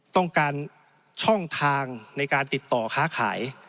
ต้องการช่องทางในการติดต่อค้าขาย